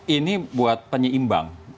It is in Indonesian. ini buat penyeimbang